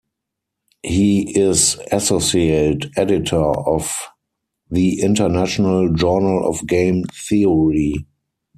He is associate editor of "the International Journal of Game Theory".